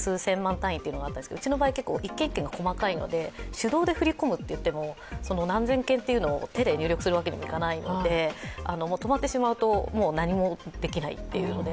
うちの場合は一件一件が大きいので、手動で振り込みといっても何千件というのを手で入力するわけにもいかないので止まってしまうと何もできないので。